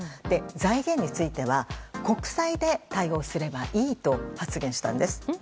財源については国債で対応すればいいと発言したんです。